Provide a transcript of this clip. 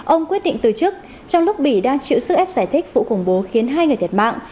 ông quyết định từ chức trong lúc bỉ đang chịu sức ép giải thích vụ khủng bố khiến hai người thiệt mạng